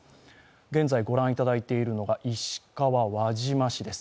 現在御覧いただいているのが、石川・輪島市です。